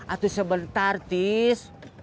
aduh sebentar tis